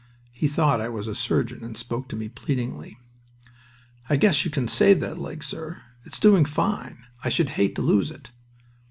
He thought I was a surgeon, and spoke to me pleadingly: "I guess you can save that leg, sir. It's doing fine. I should hate to lose it."